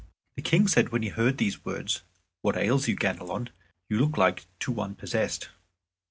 The King said when he heard these words, "What ails you, Ganelon? You look like to one possessed."